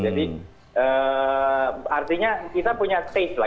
jadi artinya kita punya taste lah